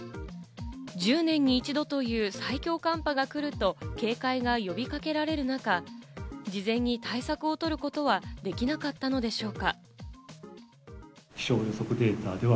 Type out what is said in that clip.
１０年に一度という最強寒波がくると警戒が呼びかけられる中、事前に対策をとることはできなかったのでしょうか？